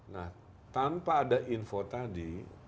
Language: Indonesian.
nah tanpa ada info tadi